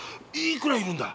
いくらいるんだ？